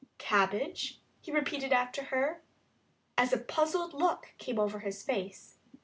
"Cabbage?" he repeated after her as a puzzled look came over his face.